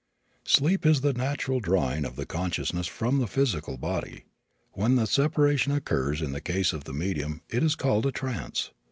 Sleep is the natural withdrawing of the consciousness from the physical body. When the separation occurs in the case of the medium it is called a trance.